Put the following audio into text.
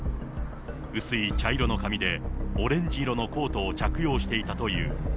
薄い茶色の髪で、オレンジ色のコートを着用していたという。